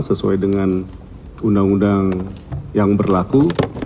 sesuai dengan undang undang yang berlaku